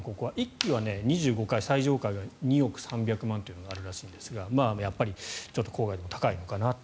１期は２５階、最上階が２億３００万円というのがあるらしいんですがやっぱりちょっと郊外でも高いのかな。